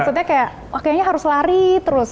maksudnya kayak kayaknya harus lari terus